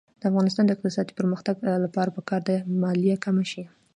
د افغانستان د اقتصادي پرمختګ لپاره پکار ده چې مالیه کمه شي.